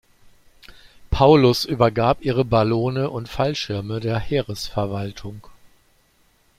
Paulus übergab ihre Ballone und Fallschirme der Heeresverwaltung.